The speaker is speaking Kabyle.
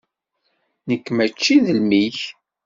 Nekk mačči d mmi-k.